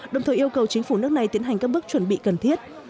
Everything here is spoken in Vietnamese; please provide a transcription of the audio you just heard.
đồng thời yêu cầu chính phủ nước này tiến hành các bước chuẩn bị cần thiết